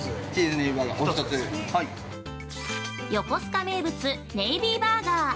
◆横須賀名物、ネイビーバーガー。